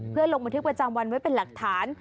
เพื่อลงบันทึกประจำวันไว้เป็นหลักฐาน